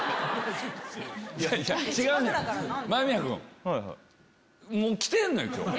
いやいや違うねん間宮君。